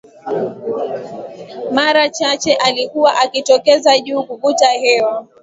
Mara chache alikuwa akitokeza juu kuvuta hewa